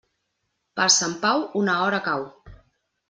Per Sant Pau, una hora cau.